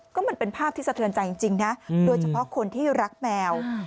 ก็มันเป็นภาพที่สะเทือนใจจริงนะโดยเฉพาะคนที่รักแมว